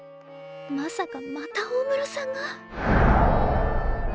まさかまた大室さんが？